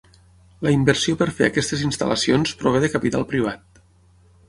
La inversió per fer aquestes instal·lacions prové de capital privat.